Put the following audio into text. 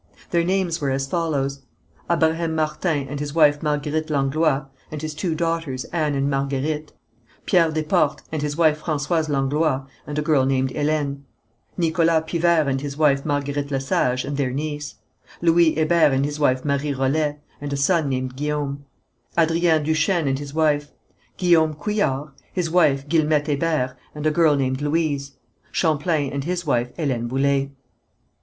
Their names were as follows: Abraham Martin and his wife Marguerite Langlois, and his two daughters, Anne and Marguerite; Pierre Desportes and his wife Françoise Langlois, and a girl named Hélène; Nicholas Pivert and his wife Marguerite Lesage, and their niece; Louis Hébert and his wife Marie Rollet, and a son named Guillaume; Adrien Duchesne and his wife; Guillaume Couillard, his wife, Guillemette Hébert, and a girl named Louise; Champlain and his wife Hélène Boullé.